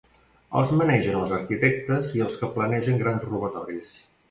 Els manegen els arquitectes i els que planegen grans robatoris.